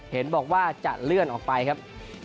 เห็นบอกว่าจะเลื่อนออกไปครับ